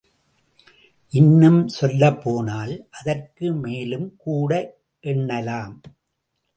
இன்னும் சொல்லப்போனால் அதற்கு மேலும்கூட என்னலாம்!